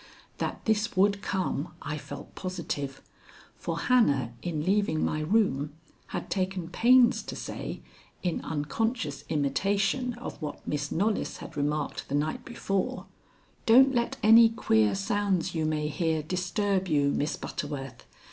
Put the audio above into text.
That this would come, I felt positive, for Hannah in leaving my room had taken pains to say, in unconscious imitation of what Miss Knollys had remarked the night before: "Don't let any queer sounds you may hear disturb you, Miss Butterworth.